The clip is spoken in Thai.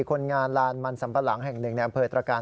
คนงานลานมันสัมปะหลังแห่งหนึ่งในอำเภอตรการ